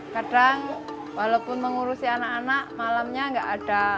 kadang walaupun mengurusi anak anak malamnya gak ada karyawan dia selalu baik